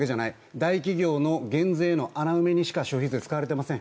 大企業の減税の穴埋めにしか消費税は使われていません。